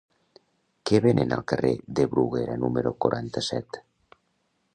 Què venen al carrer de Bruguera número quaranta-set?